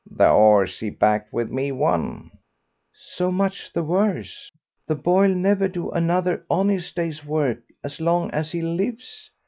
"The horse he backed with me won." "So much the worse.... The boy'll never do another honest day's work as long as he lives....